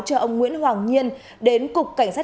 cho ông nguyễn hoàng nhiên đến cục cảnh sát